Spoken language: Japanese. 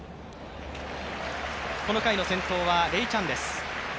この回の先頭はレイ・チャンです。